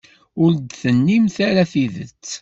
Ur d-tennim ara tidet.